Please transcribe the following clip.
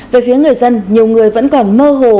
về phía người dân nhiều người vẫn còn mơ hồ